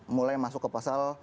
mulai masuk ke pasal